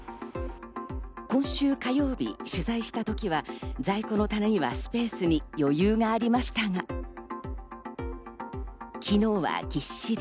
今週火曜日、取材した時は在庫の棚にはスペースに余裕がありましたが、昨日はぎっしり。